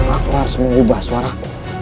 aku harus mengubah suaraku